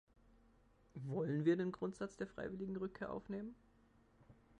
Wollen wir den Grundsatz der freiwilligen Rückkehr aufnehmen?